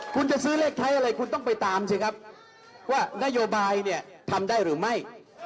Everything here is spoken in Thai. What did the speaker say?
คุณจะซื้อเลขท้ายอะไรคุณต้องไปตามสิครับว่านโยบายเนี่ยทำได้หรือไม่